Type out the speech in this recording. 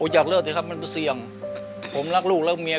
อยากเลิกสิครับมันเสี่ยงผมรักลูกรักเมีย